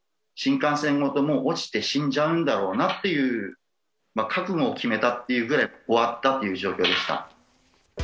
新幹線ごと、もう落ちて、死んじゃうんだろうなっていう、覚悟を決めたってぐらい、終わったという状況でした。